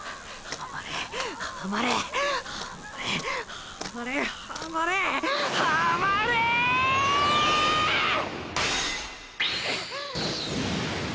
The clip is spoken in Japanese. はまれはまれはまれはまれはまれ！！はまれェェェーーー！！っ！！